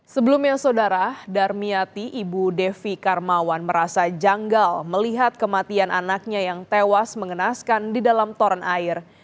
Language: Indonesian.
sebelumnya saudara darmiati ibu devi karmawan merasa janggal melihat kematian anaknya yang tewas mengenaskan di dalam toran air